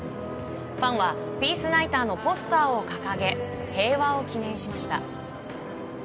ファンはピースナイターのポスターを掲げ平和を祈念しました。